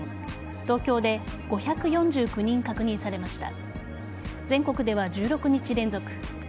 東京で５４９人確認されました。